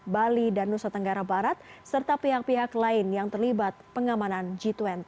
bali dan nusa tenggara barat serta pihak pihak lain yang terlibat pengamanan g dua puluh